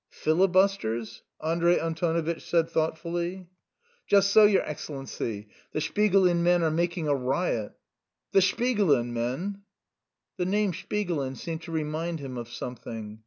"Filibusters?" Andrey Antonovitch said thoughtfully. "Just so, your Excellency. The Shpigulin men are making a riot." "The Shpigulin men!..." The name "Shpigulin" seemed to remind him of something.